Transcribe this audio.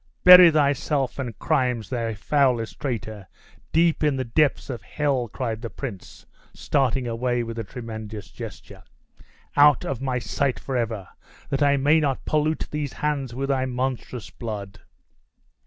"Bury thyself and crimes, thou foulest traitor, deep in the depths of hell!" cried the prince, starting away with a tremendous gesture! "Out of my sight forever, that I may not pollute these hands with thy monstrous blood!"